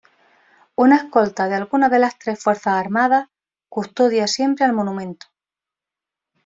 Una escolta de alguna de las tres fuerzas armadas custodia siempre al monumento.